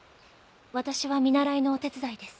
私は見習いのお手伝いです。